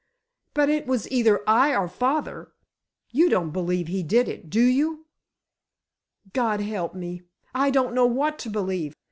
"But it was either I or father! You don't believe he did, do you?" "God help me! I don't know what to believe!